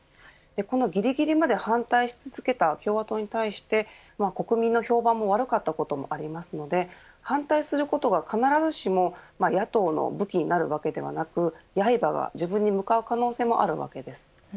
このぎりぎりまで反対し続けた共和党に対して国民の評判も悪かったこともありますので反対することが必ずしも野党の武器になるわけではなく刃が自分に向かう可能性もあるわけです。